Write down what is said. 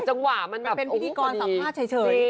แต่จังหวะมันแบบโอ้โฮกันดีจริงเป็นวิธีกรสัมภาษณ์เฉย